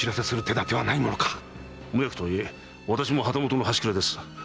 無役とはいえ私も旗本の端くれです。